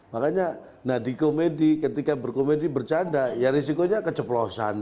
makanya nah di komedi ketika berkomedi bercanda ya risikonya keceplosan